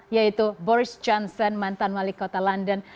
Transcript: yaitu boris johnson mantan wali kota london